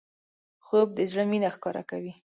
خوب د زړه مینه ښکاره کوي